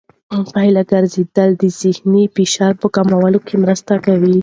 پلي ګرځېدل د ذهني فشار په کمولو کې مرسته کوي.